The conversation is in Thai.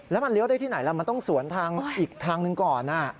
แล้วมันเลี้ยวได้ที่ไหนล่ะมันต้องสวนทางอีกทางหนึ่งก่อน